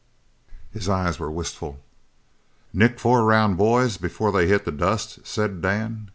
His eyes were wistful. "Nick four round boys before they hit the dust?" said Dan.